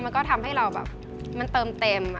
มันก็ทำให้เราแบบมันเติมเต็ม